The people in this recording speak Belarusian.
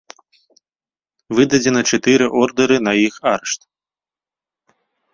Выдадзена чатыры ордэры на іх арышт.